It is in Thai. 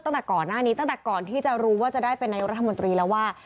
ตั้งแต่ก่อนที่จะรู้ว่าจะได้เป็นนายุรัฐมนตรีแล้วว่า